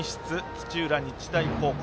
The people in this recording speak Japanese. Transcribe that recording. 土浦日大高校。